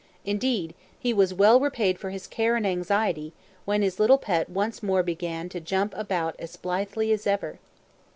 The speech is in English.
Indeed, he was well repaid for his care and anxiety, when his little pet once more began to jump about as blithely as ever.